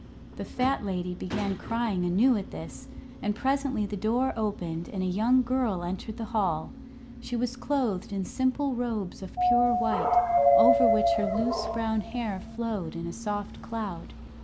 The fat lady began crying anew at this, and presently the door opened and a young girl entered the hall. She was clothed in simple robes of pure white, over which her loose brown hair flowed in a soft cloud.